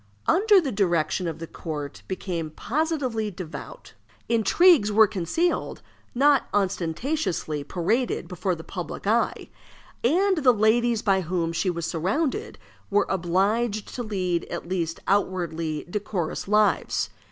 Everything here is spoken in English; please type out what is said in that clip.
Under her direction the court became positively devout. Intrigues were concealed, not ostentatiously paraded before the public eye; and the ladies by whom she was surrounded were obliged to lead at least outwardly decorous lives.